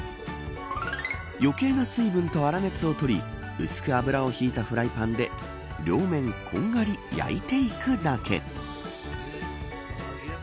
余計な水分と粗熱をとり薄く油をひいたフライパンで両面、こんがり焼いていくだけ。